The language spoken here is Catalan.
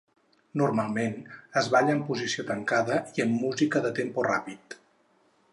Normalment es balla en posició tancada i amb música de tempo ràpid.